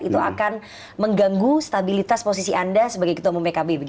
itu akan mengganggu stabilitas posisi anda sebagai ketua umum pkb